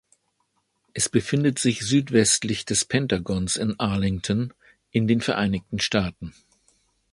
Es befindet sich südwestlich des Pentagons in Arlington, in den Vereinigten Staaten.